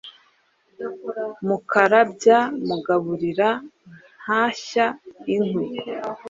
mukarabya, mugaburira, ntashya inkwi,